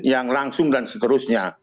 yang langsung dan seterusnya